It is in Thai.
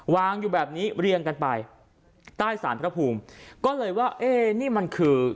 วางอยู่แบบนี้เรียงกันไปใต้สารพระภูมิก็เลยว่าเอ๊นี่มันคือ